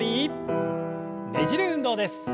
ねじる運動です。